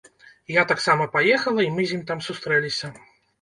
Я таксама паехала, і мы з ім там сустрэліся.